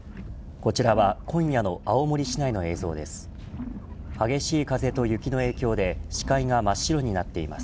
こちらは今夜の青森市内の映像です。